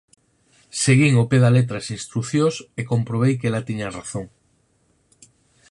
Seguín ao pé da letra as instrucións e comprobei que ela tiña razón: